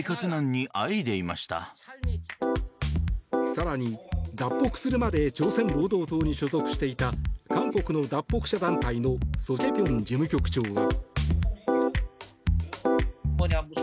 更に、脱北するまで朝鮮労働党に所属していた韓国の脱北者団体のソ・ジェピョン事務局長は。